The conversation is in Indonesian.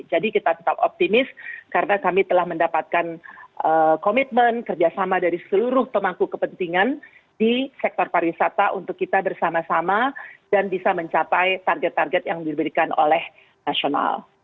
jadi kita tetap optimis karena kami telah mendapatkan komitmen kerjasama dari seluruh pemangku kepentingan di sektor pariwisata untuk kita bersama sama dan bisa mencapai target target yang diberikan oleh nasional